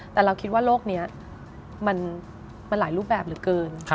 แต่เราคิดว่าโลกนี้มันหลายรูปแบบเหลือเกิน